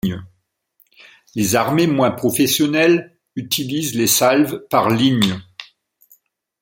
Les armées moins professionnelles utilisent les salves par ligne.